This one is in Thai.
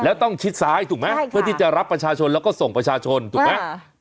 แล้วต้องชิดซ้ายถูกไหมเพื่อที่จะรับประชาชนแล้วก็ส่งประชาชนถูกไหม